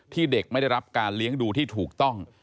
เด็กไม่ได้รับการเลี้ยงดูที่ถูกต้อง